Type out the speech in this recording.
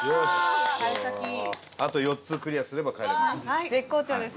あと４つクリアすれば帰れます。